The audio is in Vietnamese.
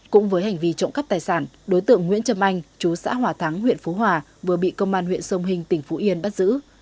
cũng với hành vi trộm cắp tài sản đối tượng nguyễn trâm anh chú xã hòa thắng huyện phú hòa vừa bị công an huyện sông hình tỉnh phú yên bắt giữ